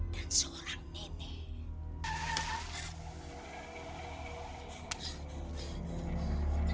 dan seorang nenek